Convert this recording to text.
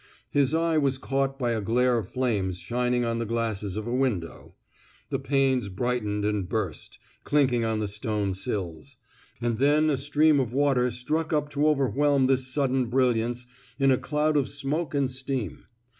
His eye was caught by a glare of flames shining on the glasses of a window; 156 COEEIGAN'S PROMOTION the panes brightened and burst, clinking on the stone sills; and then a stream of water struck up to overwhelm this sudden bril liance in a cloud of smoke and steam.